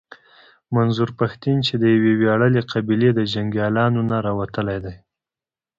منظور پښتين چې د يوې وياړلې قبيلې د جنګياليانو نه راوتلی دی.